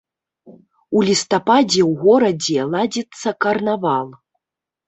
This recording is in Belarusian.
У лістападзе ў горадзе ладзіцца карнавал.